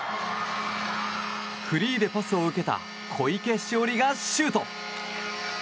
フリーでパスを受けた小池詩織がシュート！